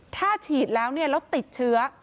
ถ้าฉีดแล้วแล้วติดเชื้อ